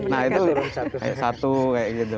nah itu kayak satu kayak gitu